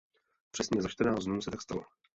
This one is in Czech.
Přesně za čtrnáct dnů se tak stalo.